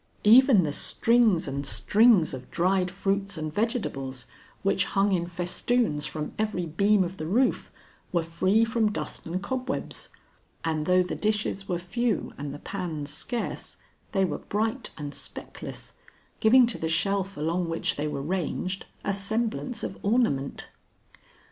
Even the strings and strings of dried fruits and vegetables, which hung in festoons from every beam of the roof, were free from dust and cobwebs, and though the dishes were few and the pans scarce, they were bright and speckless, giving to the shelf along which they were ranged a semblance of ornament.